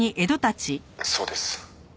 「そうです」